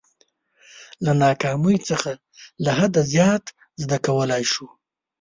د ناکامۍ څخه له حده زیات زده کولای شو.